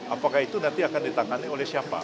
apakah itu nanti akan ditangani oleh siapa